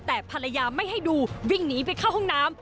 แต่ภรรยาไม่ให้ดูวิ่งหนีไปเข้าห้องน้ำ